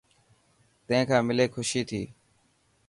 تين کان ملي خوشي ٿيي.